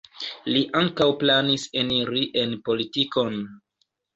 Li ankaŭ planis eniri en politikon.